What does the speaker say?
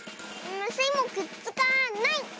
スイもくっつかない！